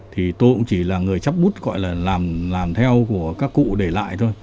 thì tôi cũng chỉ là người chấp bút gọi là làm theo của các cụ để lại thôi